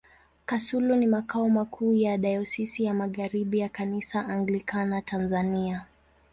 Kasulu ni makao makuu ya Dayosisi ya Magharibi ya Kanisa Anglikana Tanzania.